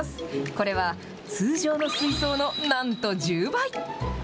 これは通常の水槽のなんと１０倍。